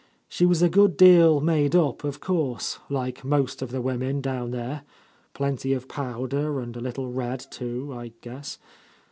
She was a good deal made up, of course, like most of the women down there; plenty of powder, and a little red, too, I guess.